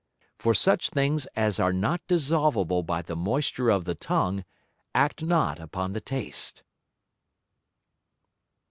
For such things as are not dissolvable by the Moisture of the Tongue, act not upon the Taste.